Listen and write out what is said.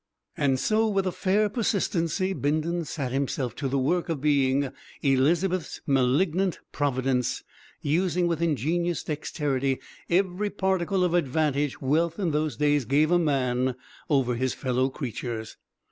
And so, with a fair persistency, Bindon sat himself to the work of being Elizabeth's malignant providence, using with ingenious dexterity every particle of advantage wealth in those days gave a man over his fellow creatures.